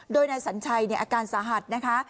โดยในสรรชัยนี่อาการสหัตถ์นะคะ